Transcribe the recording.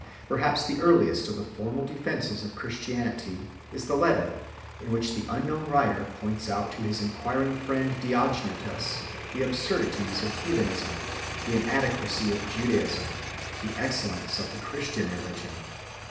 Perhaps the earliest of the formal defences of Chris tianity is the Letter 2 in which the unknown writer points out to his enquiring friend Diognetus the absurdities of heathenism, the inadequacy of Judaism, the excellence of the Christian religion.